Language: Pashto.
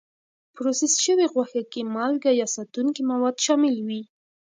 پروسس شوې غوښې کې مالکه یا ساتونکي مواد شامل وي.